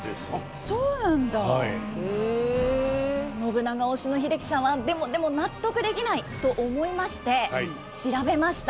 信長推しの英樹さんは「でもでも納得できない」と思いまして調べました。